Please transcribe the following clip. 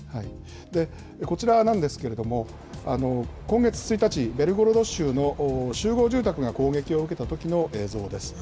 こちらなんですけれども、今月１日、ベルゴロド州の集合住宅が攻撃を受けたときの映像です。